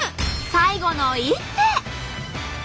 最後の一手。